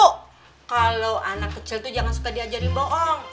kalo anak kecil tuh jangan suka diajarin boong